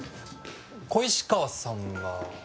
小石川さんは？